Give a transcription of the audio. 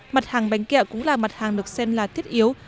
mặt hàng bánh kẹo cũng là mặt hàng được xem là thiết yếu